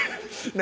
何？